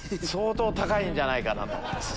相当高いんじゃないかと。